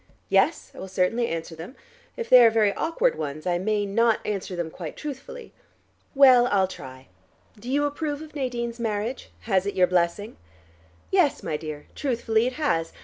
"Yes, I will certainly answer them. If they are very awkward ones I may not answer them quite truthfully." "Well, I'll try. Do you approve of Nadine's marriage? Has it your blessing?" "Yes, my dear: truthfully, it has.